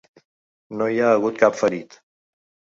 No hi ha hagut cap ferit.